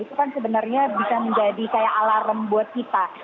itu kan sebenarnya bisa menjadi kayak alarm buat kita